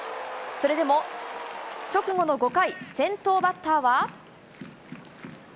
それでも直後の５回、先頭バッターは。